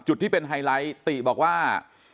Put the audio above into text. จุดที่เป็นไฮไลท์ติบอกว่า